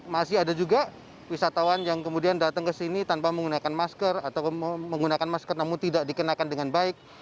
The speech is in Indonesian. masih ada juga wisatawan yang kemudian datang ke sini tanpa menggunakan masker atau menggunakan masker namun tidak dikenakan dengan baik